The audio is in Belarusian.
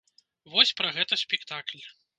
Вось пра гэта спектакль.